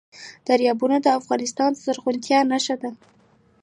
دریابونه د افغانستان د زرغونتیا نښه ده.